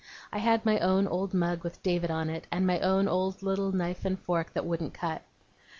I had my own old mug with David on it, and my own old little knife and fork that wouldn't cut.